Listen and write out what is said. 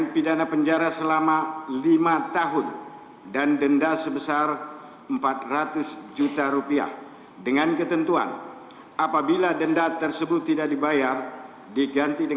tiga menjatuhkan pidana kepada terdakwa dua subiharto